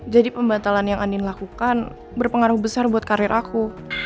jadi pembatalan yang andin lakukan berpengaruh besar buat karir aku